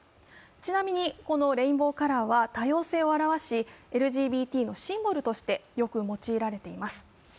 ちなみにこのレインボーカラーは多様性を示しＬＧＢＴのシンボルとしてよく用いられています。